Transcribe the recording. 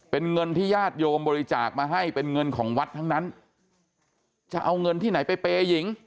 เป็นเงินที่ญาติโยมบริจาคมาให้เป็นเงินของวัดทั้งนั้นจะเอาเงินที่ไหนไปเปย์หญิง